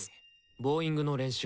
ボーイングの練習から。